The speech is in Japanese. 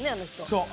そう。